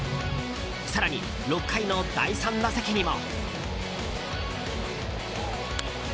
更に、６回の第３打席にも。